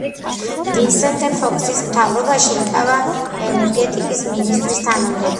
ვისენტე ფოქსის მთავრობაში ეკავა ენერგეტიკის მინისტრის თანამდებობა.